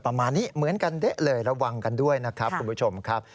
ประมาณนี้เหมือนกันเด๊ะเลยระวังกันด้วยนะครับคุณผู้ชมครับ